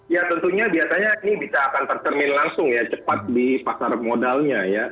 ya tentunya biasanya ini bisa akan tercermin langsung ya cepat di pasar modalnya ya